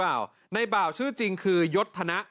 เบาในเบาชื่อจริงคือยดทะนะ